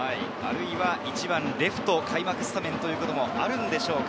１番・レフト、開幕スタメンもあるのでしょうか？